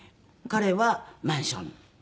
彼はマンション。